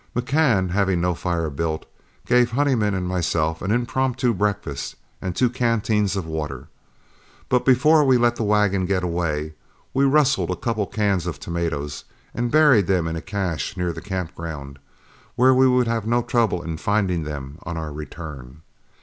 McCann, having no fire built, gave Honeyman and myself an impromptu breakfast and two canteens of water; but before we let the wagon get away, we rustled a couple of cans of tomatoes and buried them in a cache near the camp ground, where we would have no trouble in finding them on our return.